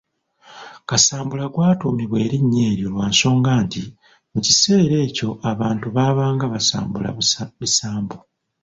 Kasambula gwatuumibwa erinnya eryo lwa nsonga nti mu kiseera ekyo abantu baabanga basambula bisambu.